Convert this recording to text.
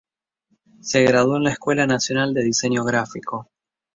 Se graduó en la Escuela Nacional de Diseño Gráfico.